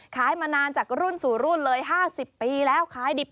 ขายมานานจากรุ่นสู่รุ่นเลย๕๐ปีแล้ว